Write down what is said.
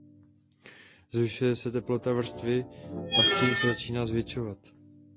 Zvyšuje se teplota vrstvy a tím se začíná zvětšovat.